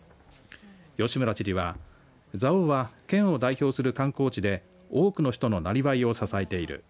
吉村知事は蔵王は県を代表する観光地で多くの人のなりわいを支えている。